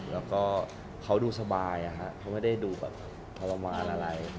แล้วก็เขาดูสบายเขาไม่ได้ดูแบบทรมานอะไร